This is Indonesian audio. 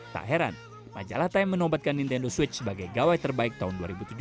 tak heran majalah time menobatkan nintendo switch sebagai gawai terbaik tahun dua ribu tujuh belas